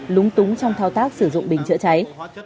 lúng túng trong thao tác sử dụng bình chữa cháy